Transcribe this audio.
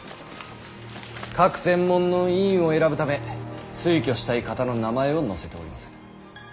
各専門の委員を選ぶため推挙したい方の名前を載せております。